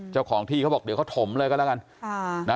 เจ้าของที่เขาบอกเดี๋ยวเขาถมเลยก็แล้วกัน